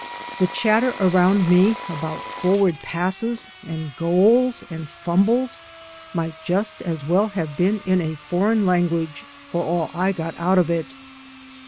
The chatter around me about forward passes and goals and fumbles might just as well have been in a foreign language, for all I got out of it.